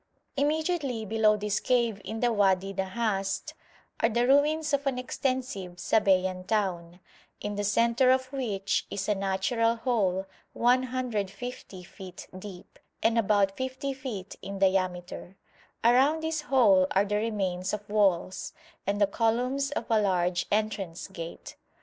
Immediately below this cave in the Wadi Nahast are the ruins of an extensive Sabæan town, in the centre of which is a natural hole 150 feet deep and about 50 feet in diameter; around this hole are the remains of walls, and the columns of a large entrance gate.